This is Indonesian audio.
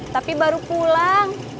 tapi baru pulang